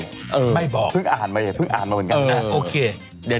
ไปพิเศษนะไม่บอกเพิ่งอ่านมาเหมือนกัน